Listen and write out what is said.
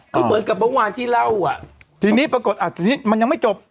ก็เหมือนกับเมื่อวานที่เล่าอ่ะทีนี้ปรากฏอ่ะทีนี้มันยังไม่จบ